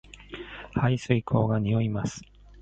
排水溝が臭います